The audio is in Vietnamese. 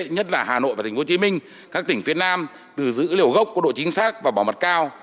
nhất là hà nội và tp hcm các tỉnh phía nam từ dữ liệu gốc có độ chính xác và bảo mật cao